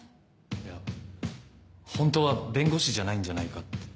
いや本当は弁護士じゃないんじゃないかって。